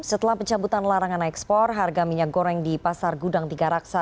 setelah pencabutan larangan ekspor harga minyak goreng di pasar gudang tiga raksa